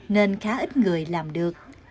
nên khá ít người làm được